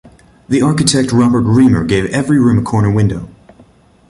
The architect Robert Reamer gave every room a corner window.